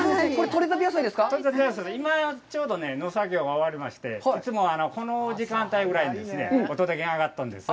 取れたて野菜で、今ちょうど農作業が終わりまして、いつもこの時間帯ぐらいにお届けに上がっとんです。